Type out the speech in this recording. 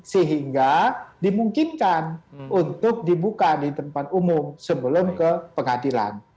sehingga dimungkinkan untuk dibuka di tempat umum sebelum ke pengadilan